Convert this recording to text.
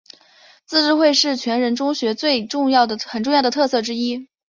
自治会是全人中学很重要的特色之一。